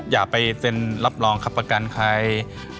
อย่าไปเซ็นรับรองครับประกันใคร